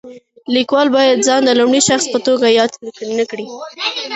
لیکوال باید ځان د لومړي شخص په توګه یاد نه کړي.